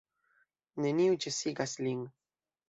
Neniu ĉesigas lin.